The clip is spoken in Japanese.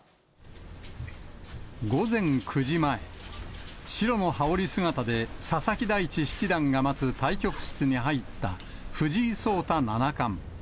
午前９時前、白の羽織姿で佐々木大地七段が待つ対局室に入った藤井聡太七冠。